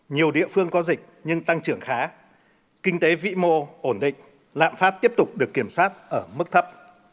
nhiều địa phương có dịch nhưng tăng trưởng khá kinh tế vĩ mô ổn định lạm phát tiếp tục được kiểm soát ở mức thấp